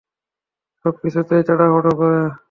সবকিছুতেই তাড়াহুড়ো করে।